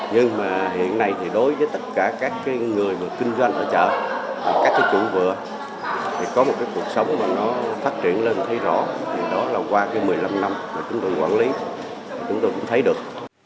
nhưng mà hiện nay thì đối với tất cả các người kinh doanh ở chợ các cái chủ vừa thì có một cái cuộc sống mà nó phát triển lên thấy rõ thì đó là qua một mươi năm năm mà chúng tôi quản lý chúng tôi cũng thấy được